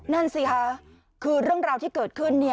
นั่นสิคะคือเรื่องราวที่เกิดขึ้น